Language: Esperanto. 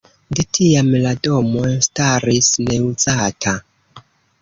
De tiam la domo staris neuzata.